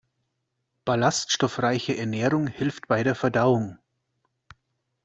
Ballaststoffreiche Ernährung hilft bei der Verdauung.